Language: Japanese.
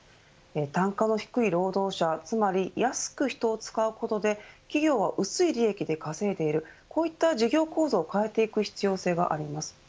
単価の低い労働者、つまり安く人を使うことで企業は薄い利益で稼いでいるこういった事業構造を変えていく必要性があります。